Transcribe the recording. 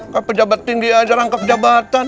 ke pejabat tinggi aja rangkap jabatan